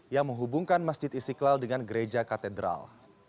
yang menghubungkan masjid istiqlal dengan gereja katedral